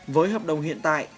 với hợp đồng hiện tại